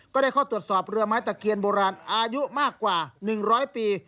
ก็ได้เข้าตรวจสอบเรือไม้ตะเคียนโบราณอายุมากกว่า๑๐๐ปี